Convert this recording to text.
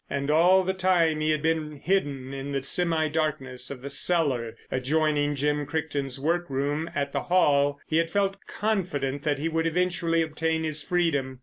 And all the time he had been hidden in the semi darkness of the cellar adjoining Jim Crichton's workroom at the Hall he had felt confident that he would eventually obtain his freedom.